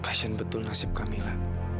kasian betul nasib kamila